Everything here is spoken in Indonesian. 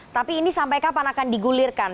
tapi ini sampai kapan akan digulirkan